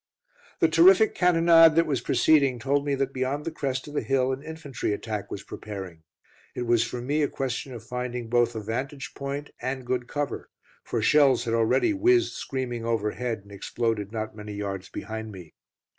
The terrific cannonade that was proceeding told me that beyond the crest of the hill an infantry attack was preparing. It was for me a question of finding both a vantage point and good cover, for shells had already whizzed screaming overhead and exploded not many yards behind me.